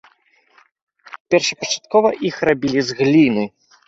Першапачаткова іх рабілі з гліны.